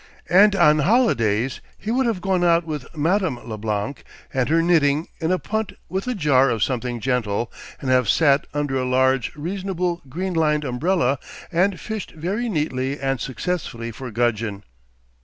And on holidays he would have gone out with Madame Leblanc and her knitting in a punt with a jar of something gentle and have sat under a large reasonable green lined umbrella and fished very neatly and successfully for gudgeon....